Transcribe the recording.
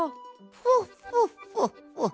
フォッフォッフォッフォッ。